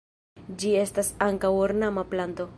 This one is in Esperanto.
Ĝi estas ankaŭ ornama planto.